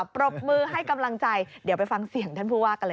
ปรบมือให้กำลังใจเดี๋ยวไปฟังเสียงท่านผู้ว่ากันเลย